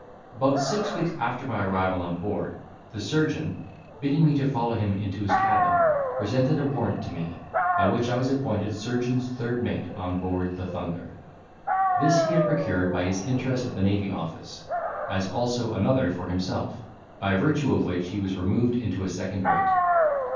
About six weeks after my arrival on board, the surgeon, bidding me to follow him into his cabin, presented a warrant to me, by which I was appointed surgeon's third mate on board the Thunder. This he had procured by his interest at the Navy Office; as also another for himself, by virtue of which he was removed into a second rate.